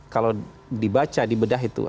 kalau dibaca di bedah itu